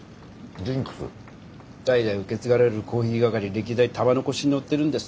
代々受け継がれるコーヒー係歴代玉のこしに乗ってるんです。